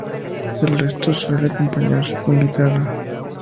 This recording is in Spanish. El resto suele acompañarse con guitarra.